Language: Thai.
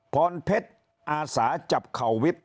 พรเพชรอาสาจับเข่าวิทย์